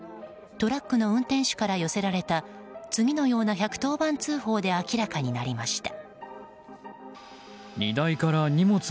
トラックの運転手から寄せられた次のような１１０番通報で明らかになりました。